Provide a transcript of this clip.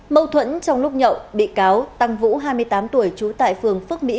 mâu thuẫn trong lúc nhậu bị cáo tăng vũ hai mươi tám tuổi trú tại phường phước mỹ